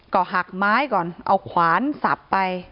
ก็หักไม้ก่อนเอาขวานสับไป